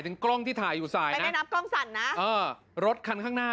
เฮ้ยลดมาลดมาลดมาลดมา